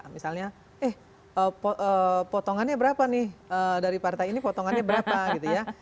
misalnya eh potongannya berapa nih dari partai ini potongannya berapa gitu ya